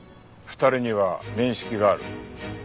２人には面識がある。